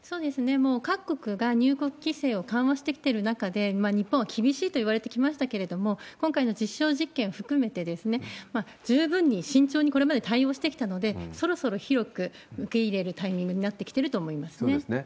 もう各国が入国規制を緩和してきてる中で、日本は厳しいといわれてきましたけれども、今回の実証実験を含めて、十分に慎重にこれまで対応してきたので、そろそろ広く受け入れるタイミングになってきていると思いますね。